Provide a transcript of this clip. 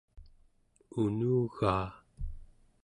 unugaa